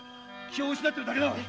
気を失ってるだけだ。